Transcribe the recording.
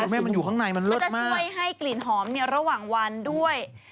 มันอยู่ข้างในมันเลิศมากมันจะช่วยให้กลิ่นหอมระหว่างวันด้วย